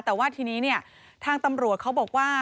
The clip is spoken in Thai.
แต่ว่าทีนี้เนี่ยทางตำรวจเขาบอกว่า